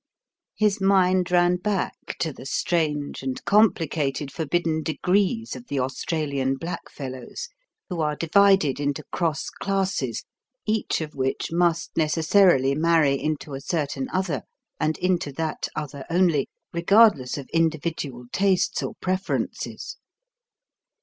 His mind ran back to the strange and complicated forbidden degrees of the Australian Blackfellows, who are divided into cross classes, each of which must necessarily marry into a certain other, and into that other only, regardless of individual tastes or preferences.